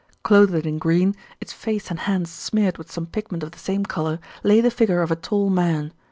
Clothed in green, its face and hands smeared with some pigment of the same colour, lay the figure of a tall man.